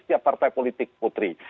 setiap partai politik putri